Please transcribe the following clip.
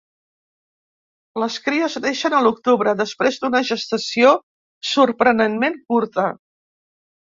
Les cries neixen a l'octubre, després d'una gestació sorprenentment curta.